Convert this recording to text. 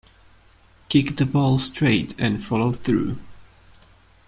Kick the ball straight and follow through.